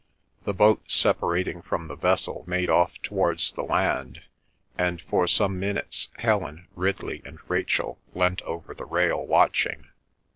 The boat separating from the vessel made off towards the land, and for some minutes Helen, Ridley, and Rachel leant over the rail, watching.